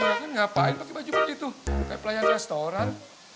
joroknya ngapain pakai baju begitu kayak pelayan restoran